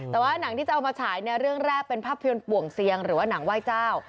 แต่ว่าหนังที่จะเอามาฉายเนี่ยเรื่องแรกเป็นภาพยนตร์ป่วงเซียงหรือว่าหนังไหว้เจ้า